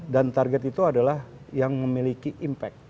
dan target itu adalah yang memiliki impact